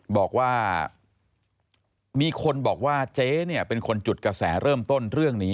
บอกว่ามีคนบอกว่าเจ๊เนี่ยเป็นคนจุดกระแสเริ่มต้นเรื่องนี้